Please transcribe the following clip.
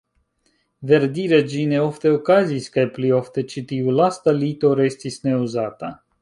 Verdire, ĝi ne ofte okazis, kaj pli ofte ĉi tiu lasta lito restis neuzata.